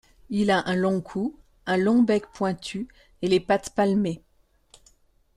Il a un long cou, un long bec pointu et les pattes palmées.